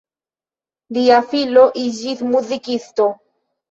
Lia filo iĝis muzikisto.